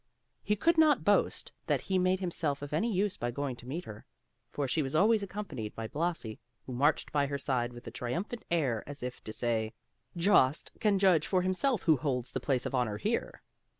He could not boast that he made himself of any use by going to meet her; for she was always accompanied by Blasi, who marched by her side with a triumphant air as if to say, "Jost can judge for himself who holds the place of honor here!"